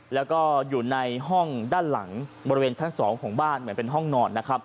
แล้วก็อยู่ในห้องด้านหลังบริเวณชั้น๒ของบ้านเหมือนเป็นห้องนอนนะครับ